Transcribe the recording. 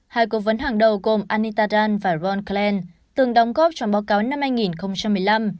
hai cố vấn hàng đầu gồm anita dunn và ron klain từng đóng góp trong báo cáo năm hai nghìn một mươi năm